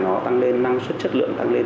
nó tăng lên năng suất chất lượng tăng lên